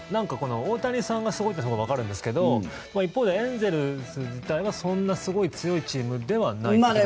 大谷さんがすごいっていうのはわかるんですけど一方で、エンゼルス自体はそんなすごい強いチームではない。